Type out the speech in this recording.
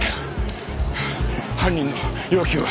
犯人の要求は？